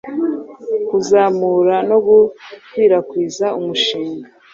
kuzamura no gukwirakwiza umushinga